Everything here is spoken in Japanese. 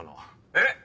えっ！